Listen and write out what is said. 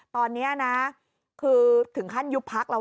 ตอนนี้นะคือถึงขั้นยุบพักแล้ว